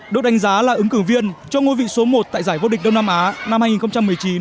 được đánh giá là ứng cử viên cho ngôi vị số một tại giải vô địch đông nam á năm hai nghìn một mươi chín